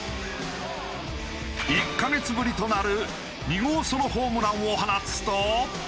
１カ月ぶりとなる２号ソロホームランを放つと。